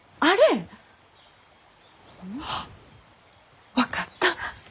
ん？あっ分かった！